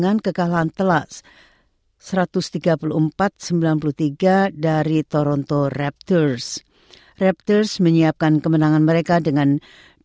dan mengapa beberapa hal telah berjaya dan mengapa kebanyakan hal tidak berjaya